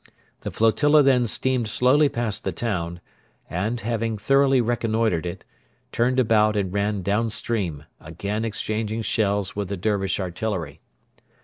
The flotilla then steamed slowly past the town, and, having thoroughly reconnoitred it, turned about and ran down stream, again exchanging shells with the Dervish artillery.